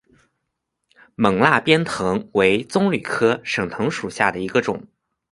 勐腊鞭藤为棕榈科省藤属下的一个种。